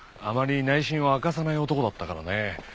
あまり内心を明かさない男だったからね。